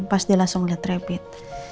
pas dia langsung liat rebit